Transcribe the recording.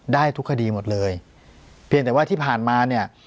ได้ทุกคดีหมดเลยเพียงแต่ว่าที่ผ่านมาเนี่ย